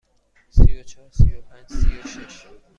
سی و چهار، سی و پنج، سی و شش.